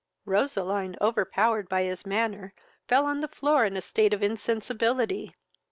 Roseline, overpowered by his manner, fell on the floor in a state of insensibility.